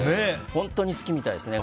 本当に好きみたいですね。